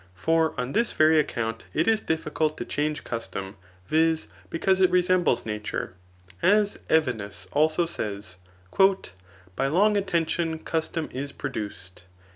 For on this very account it is di£5cult to change custom, viz. because it resembles nature, as Evenus also says, By long attention custom is produc'd.